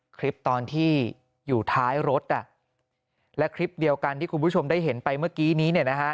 คลิปตอนที่อยู่ท้ายรถและคลิปเดียวกันที่คุณผู้ชมได้เห็นไปเมื่อกี้นี้เนี่ยนะฮะ